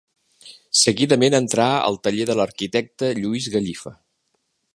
Seguidament entrà al taller de l'arquitecte Lluís Gallifa.